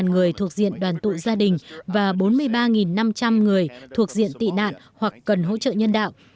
một mươi người thuộc diện đoàn tụ gia đình và bốn mươi ba năm trăm linh người thuộc diện tị nạn hoặc cần hỗ trợ nhân đạo